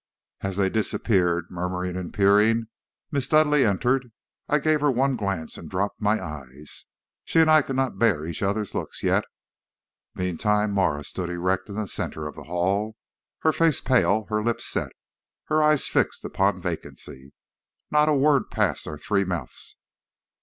"As they disappeared, murmuring and peering, Miss Dudleigh entered. I gave her one glance and dropped my eyes. She and I could not bear each other's looks yet. Meantime Marah stood erect in the center of the hall, her face pale, her lips set, her eyes fixed upon vacancy. Not a word passed our three mouths.